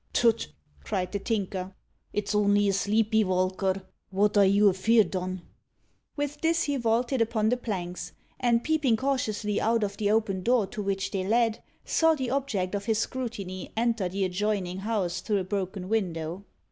"Tut!" cried the Tinker; "it's only a sleepy valker. Wot are you afeerd on?" With this he vaulted upon the planks, and peeping cautiously out of the open door to which they led, saw the object of his scrutiny enter the adjoining house through a broken window.